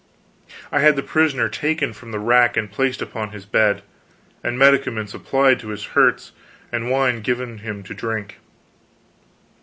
I had the prisoner taken from the rack and placed upon his bed, and medicaments applied to his hurts, and wine given him to drink.